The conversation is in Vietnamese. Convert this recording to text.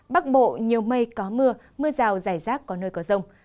bắc bộ nhiều mây có mưa mưa rào rải rác có nơi có rông